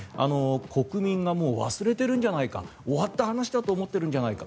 国民がもう忘れているんじゃないか終わった話と思っているんじゃないか